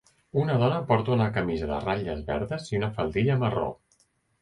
Una dona porta una camisa de ratlles verdes i una faldilla marró.